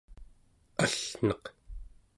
allneq